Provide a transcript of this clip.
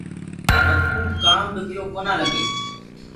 مڪوُ ڪآم ڏکيو ڪونآ لگي۔